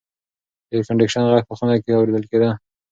د اېرکنډیشن غږ په خونه کې اورېدل کېده.